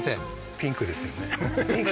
ピンクですね。